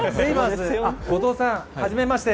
後藤さん、はじめまして。